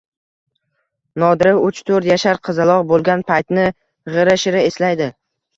Nodira uch-to`rt yashar qizaloq bo`lgan paytini g`ira-shira eslaydi